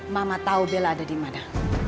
mama tau bella ada dimana